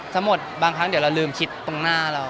ทั้งหมดบางครั้งเดี๋ยวเราลืมคิดตรงหน้าเรา